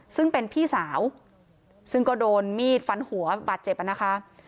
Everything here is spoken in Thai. ซึ่งเป็นพี่สาวซึ่งก็โดนมีดฟันหัวบาดเจ็บนะคะ